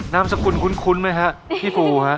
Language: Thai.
นามสกุลคุ้นไหมฮะพี่ฟูฮะ